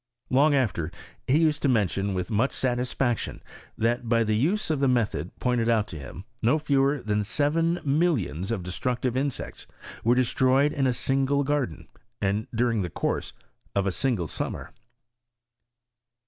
Long after, he used to mention with much salisfaction, that by the use of the method pointed out by him, no fewer than seven millions of de structive insects were destroyed in a single garden, and during the course of a single summer.